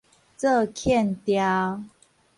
做徼兆